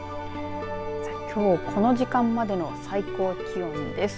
きょうこの時間までの最高気温です。